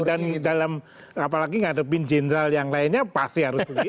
dan dalam apalagi ngadepin jenderal yang lainnya pasti harus begitu